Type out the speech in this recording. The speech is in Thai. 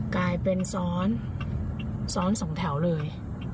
กลายเป็นซ้อน๒แถวเลย